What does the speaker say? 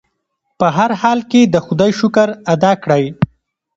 په هر حال کې د خدای شکر ادا کړئ.